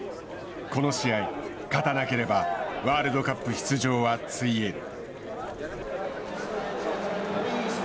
この試合、勝たなければワールドカップ出場はついえる。